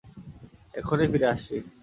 এক্ষুণি ফিরে আসছি।